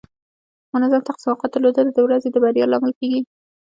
منظم تقسیم اوقات درلودل د ورځې د بریا لامل کیږي.